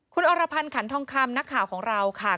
คุณอรพรรณขันธรรมคำนักข่าวของเราค่ะ